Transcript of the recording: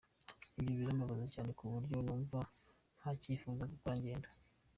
Ibyo birambabaza cyane ku buryo numva ntacyifuza gukora ingendo.